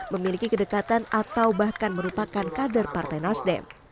memiliki kedekatan atau bahkan merupakan kader partai nasdem